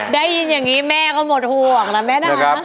ได้ยินอย่างนี้แม่ก็หมดห่วงนะแม่นะ